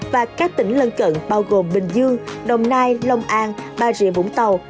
và các tỉnh lân cận bao gồm bình dương đồng nai lông an bà rịa vũng tàu